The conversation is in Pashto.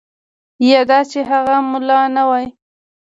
یا دا چې هغه ملا نه وای.